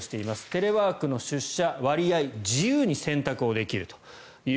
テレワーク、出社の割合は自由に選択できると。